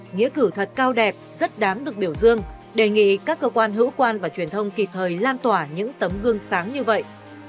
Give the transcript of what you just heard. nghĩa cử thật cao đẹp rất đáng được biểu dương đề nghị các cơ quan hữu quan và truyền thông kịp thời lan tỏa những tấm gương sáng như vậy